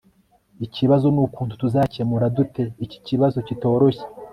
ikibazo nukuntu tuzakemura dute iki kibazo kitoroshye